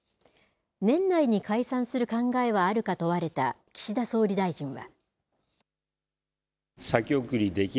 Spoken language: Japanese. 年内に解散する考えはあるか問われた岸田総理大臣は。